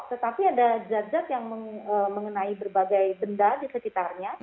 tetapi ada jajak yang mengenai berbagai benda di sekitarnya